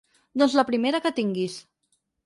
Doncs la primera que tinguis.